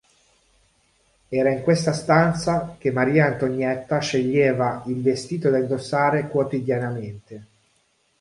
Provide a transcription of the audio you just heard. Era in questa stanza che Maria Antonietta sceglieva il vestito da indossare quotidianamente.